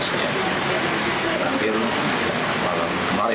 terakhir malam kemarin